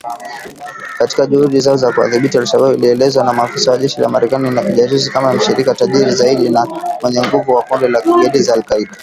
Katika juhudi zao za kuwadhibiti al-Shabaab ilielezewa na maafisa wa jeshi la Marekani na kijasusi kama mshirika tajiri zaidi na mwenye nguvu wa kundi la kigaidi la alkaida